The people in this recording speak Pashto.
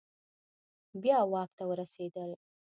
بیا واک ته ورسیدل